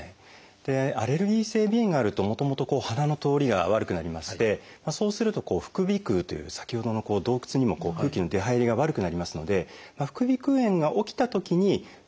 アレルギー性鼻炎があるともともと鼻の通りが悪くなりましてそうすると副鼻腔という先ほどの洞窟にも空気の出入りが悪くなりますので副鼻腔炎が起きたときに治りにくい状態